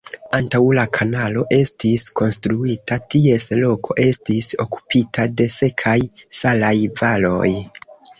Antaŭ la kanalo estis konstruita, ties loko estis okupita de sekaj salaj valoj.